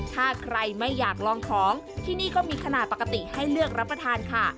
ถ้าใครไม่อยากลองของที่นี่ก็มีขนาดปกติให้เลือกรับประทานค่ะ